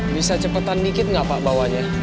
bisa cepetan dikit nggak pak bawanya